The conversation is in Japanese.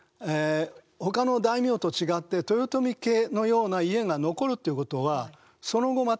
ほかの大名と違って豊臣家のような家が残るということはその後また